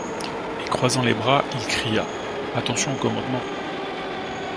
Et croisant les bras, il cria :— Attention au commandement.